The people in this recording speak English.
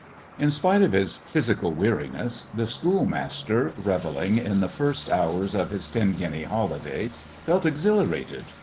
In spite of his physical weariness the schoolmaster, revelling in the first hours of his ten guinea holiday, felt exhilarated.